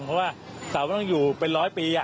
เพราะว่าสาวมันต้องอยู่เป็น๑๐๐ปี